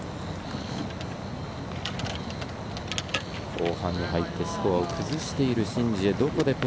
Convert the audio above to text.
後半に入ってスコアを崩しているシン・ジエ。